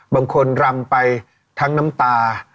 บางคนรำไปทั้งน้ำตา